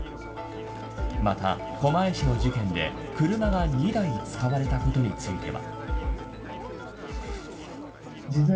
また、狛江市の事件で車が２台使われたことについては。